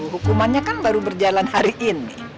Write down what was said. hukumannya kan baru berjalan hari ini